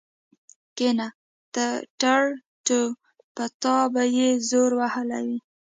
کېنه ټرتو په تا به يې زور وهلی وي.